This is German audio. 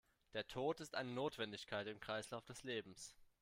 Der Tod ist eine Notwendigkeit im Kreislauf des Lebens.